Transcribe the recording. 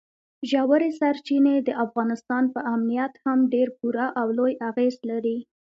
ژورې سرچینې د افغانستان په امنیت هم ډېر پوره او لوی اغېز لري.